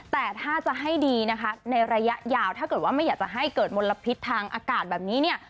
แต่ถ้าจะให้ดีนะคะในระยะยาวถ้าเกิดว่าไม่อยากจะให้เกิดมลพิษทางอากาศแบบนี้เนี่ย